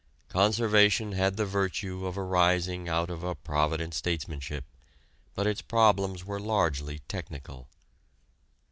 Conservation had the virtue of arising out of a provident statesmanship, but its problems were largely technical.